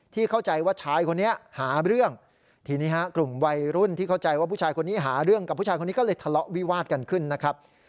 เข้าใจว่าชายคนนี้หาเรื่องทีนี้ฮะกลุ่มวัยรุ่นที่เข้าใจว่าผู้ชายคนนี้หาเรื่องกับผู้ชายคนนี้ก็เลยทะเลาะวิวาดกันขึ้นนะครับ